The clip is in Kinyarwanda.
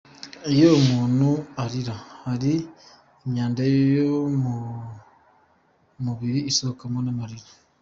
Iyo umuntu arira, hari imyanda yo mu mubiri isohokana n’amarira.